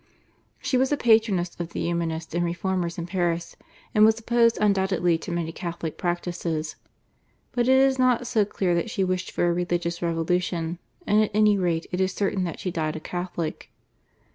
She was a patroness of the Humanists and Reformers in Paris and was opposed undoubtedly to many Catholic practices; but it is not so clear that she wished for a religious revolution, and at any rate it is certain that she died a Catholic.